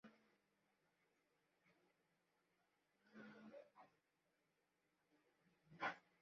তারা বৈজ্ঞানিক জ্ঞানকে স্বচ্ছ ও যথার্থ করার জন্য বিজ্ঞানকে অধিবিদ্যা থেকে দূরে রাখার কথা বলেন।